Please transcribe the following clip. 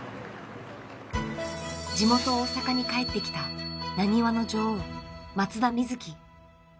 地元・大阪に帰ってきたなにわの女王・松田瑞生。